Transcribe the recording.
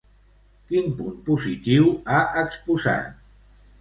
Quin punt positiu ha exposat?